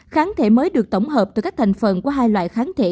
kháng thể mới được tổng hợp từ các thành phần của hai loại kháng thể